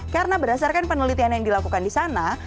karena berdasarkan penelitian yang dilakukan di sana